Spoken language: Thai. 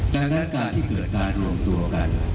ดังนั้นการที่เกิดการรวมตัวกัน